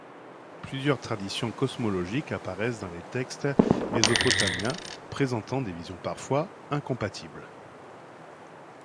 Plusieurs traditions cosmologiques apparaissent dans les textes mésopotamiens, présentant des visions parfois incompatibles.